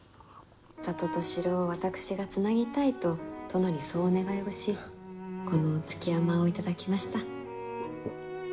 里と城を私がつなぎたいと殿にそうお願いをしこの築山を頂きました。